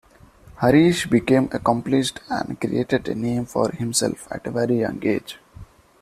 Harich became accomplished and created a name for himself at a very young age.